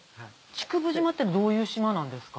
竹生島ってどういう島なんですか？